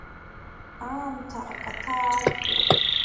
Аамҭа акаҭа аршәуеит…